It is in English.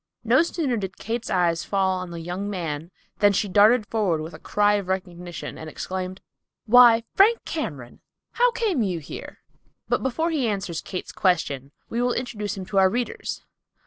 No sooner did Kate's eyes fall on the young man than she darted forward with a cry of recognition and exclaimed, "Why, Frank Cameron, how came you here?" But before he answers Kate's question, we will introduce him to our readers.